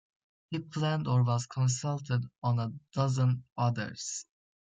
He planned or was consulted on a dozen others.